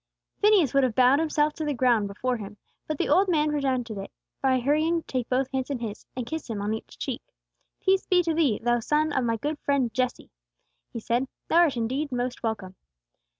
Phineas would have bowed himself to the ground before him, but the old man prevented it, by hurrying to take both hands in his, and kiss him on each cheek. "Peace be to thee, thou son of my good friend Jesse!" he said. "Thou art indeed most welcome."